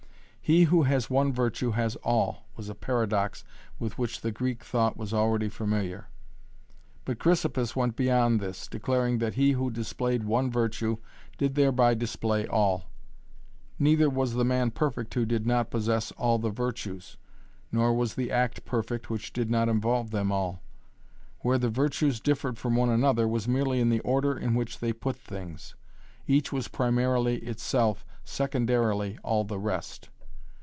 'He who has one virtue has all,' was a paradox with which the Greek thought was already familiar. But Chrysippus went beyond this, declaring that he who displayed one virtue did thereby display all. Neither was the man perfect who did not possess all the virtues, nor was the act perfect which did not involve them all. Where the virtues differed from one another was merely in the order in which they put things. Each was primarily itself, secondarily all the rest.